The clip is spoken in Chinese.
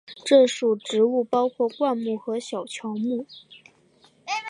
这属植物包括灌木和小乔木。